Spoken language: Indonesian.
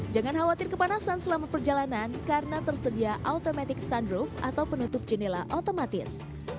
jangan khawatir kepanasan selama perjalanan karena tersedia automatic sunroof atau penutup jendela otomatis